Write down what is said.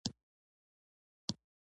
په یو وخت کې هم ګرمي وي هم یخني.